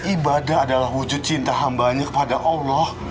ibadah adalah wujud cinta hambanya kepada allah